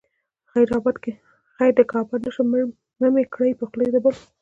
خير دى که آباد نه شوم، مه مې کړې په خوله د بل